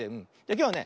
きょうはね